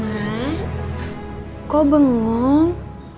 ma kau bengong